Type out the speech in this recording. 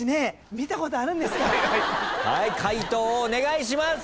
解答をお願いします！